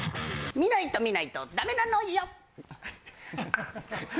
見ないと見ないとダメなのよ！